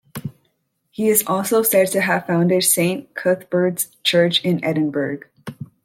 He is also said to have founded Saint Cuthbert's Church in Edinburgh.